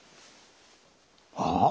ああ。